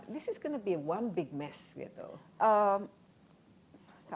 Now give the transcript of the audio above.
ini akan menjadi satu masalah besar